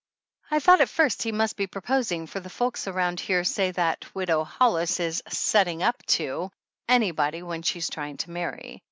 I thought at first he must be proposing, for the folks around here say that Widow Hollis is "setting up to" any body when she's trying to marry.